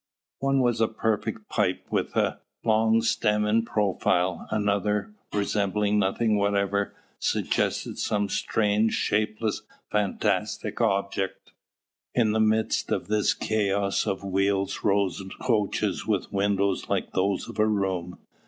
One was a perfect pipe with long stem in profile; another, resembling nothing whatever, suggested some strange, shapeless, fantastic object. In the midst of this chaos of wheels rose coaches with windows like those of a room.